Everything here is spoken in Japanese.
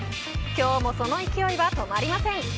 今日もその勢いは止まりません。